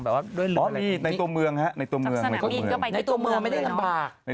แล้วไม่ในตรงเมืองฮะในตรงเมืองไม่ได้ลำบาก